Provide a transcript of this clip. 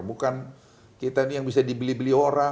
bukan kita ini yang bisa dibeli beli orang